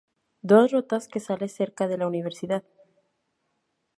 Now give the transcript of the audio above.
Dos rutas que sale cerca de la universidad.